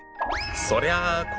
そりゃあ心